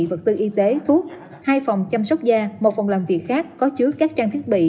vật tư y tế thuốc hai phòng chăm sóc da một phòng làm việc khác có chứa các trang thiết bị